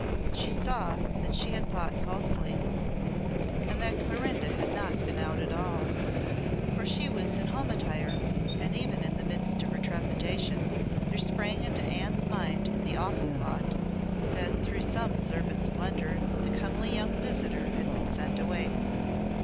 She saw that she had thought falsely, and that Clorinda had not been out at all, for she was in home attire; and even in the midst of her trepidation there sprang into Anne's mind the awful thought that through some servant's blunder the comely young visitor had been sent away.